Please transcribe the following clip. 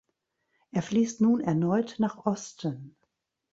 Er fließt nun erneut nach Osten.